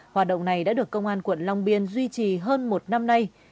hoạt động này đã được công an quận long biên duy trì hơn một năm nay